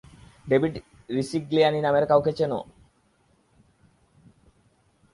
David Risigliani নামের কাউকে চেনো?